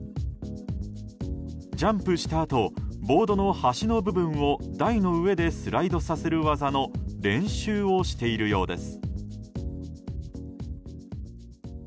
ジャンプしたあとボードの端の部分を台の上でスライドさせる技の練習をしているようです。